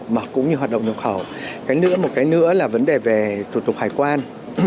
mà cũng như hoạt động nhập khẩu cái nữa một cái nữa là vấn đề về thủ tục hải quan